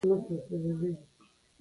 سپی او سړی ور نږدې شول.